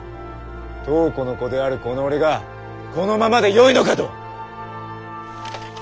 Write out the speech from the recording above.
東湖の子であるこの俺がこのままでよいのかと！